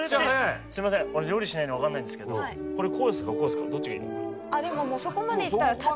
すいません俺料理しないんで分かんないんですけどこれこうですか？